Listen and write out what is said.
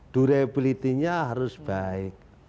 durability nya harus baik